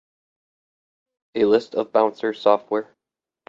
A list of bouncer software.